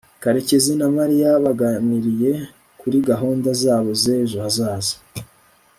karekezi na mariya baganiriye kuri gahunda zabo z'ejo hazaza